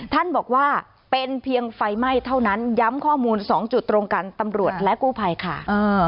ท่านบอกว่าเป็นเพียงไฟไหม้เท่านั้นย้ำข้อมูล๒จุดตรงกันตำรวจและกู้ภัยค่ะ